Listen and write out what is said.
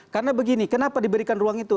karena begini kenapa diberikan ruang itu